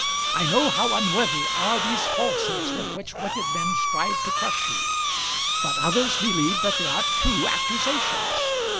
I know how unworthy are these falsehoods with which wicked men strive to crush you, but others believe that they are true accusations.